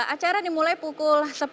acara dimulai pukul sepuluh